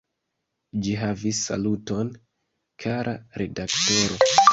Ĝi havis saluton: "Kara redaktoro!